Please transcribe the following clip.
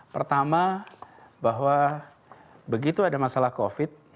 pertama bahwa begitu ada masalah covid